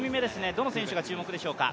どの選手が注目でしょうか。